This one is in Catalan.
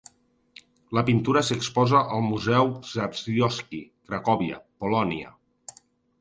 La pintura s'exposa al Museu Czartoryski, Cracòvia, Polònia.